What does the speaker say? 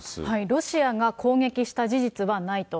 ロシアが攻撃した事実はないと。